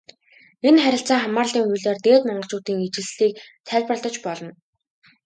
Энэ харилцаа хамаарлын хуулиар Дээд Монголчуудын ижилслийг тайлбарлаж болно.